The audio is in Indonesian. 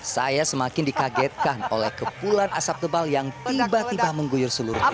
saya semakin dikagetkan oleh kepulan asap tebal yang tiba tiba mengguyur seluruhnya